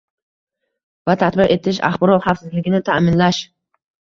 va tatbiq etish, axborot xavfsizligini ta'minlash